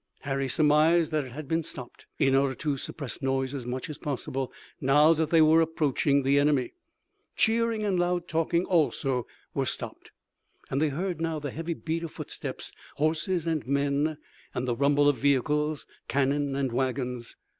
Harry surmised that it had been stopped, in order to suppress noise as much as possible, now that they were approaching the enemy. Cheering and loud talking also were stopped, and they heard now the heavy beat of footsteps, horses and men, and the rumble of vehicles, cannon and wagons.